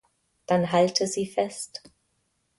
Dann halte sie fest.